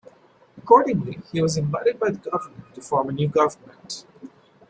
Accordingly, he was invited by the governor to form a new government.